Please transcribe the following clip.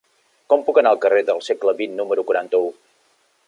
Com puc anar al carrer del Segle XX número quaranta-u?